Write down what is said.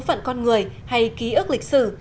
phận con người hay ký ức lịch sử